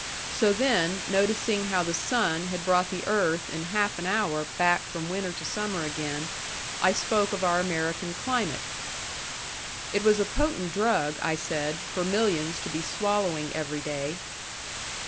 So then, noticing how the sun had brought the earth in half an hour back from winter to summer again, I spoke of our American climate. It was a potent drug, I said, for millions to be swallowing every day.